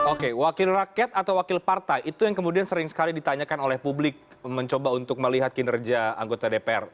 oke wakil rakyat atau wakil partai itu yang kemudian sering sekali ditanyakan oleh publik mencoba untuk melihat kinerja anggota dpr